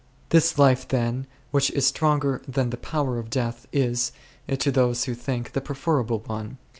This life, then, which is stronger than the power of death, is, to those who think, the preferable one.